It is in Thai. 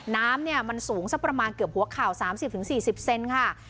น้ำเนี่ยมันสูงประมาณเกือบหัวข่าว๓๐๔๐เซนต์ค่ะ